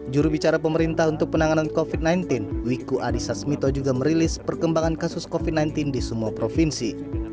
jurubicara pemerintah untuk penanganan covid sembilan belas wiku adhisa smito juga merilis perkembangan kasus covid sembilan belas di semua provinsi